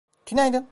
Tünaydın.